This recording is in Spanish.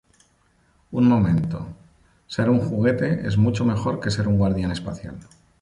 Un momento. Ser un juguete es mucho mejor que ser un guardián espacial.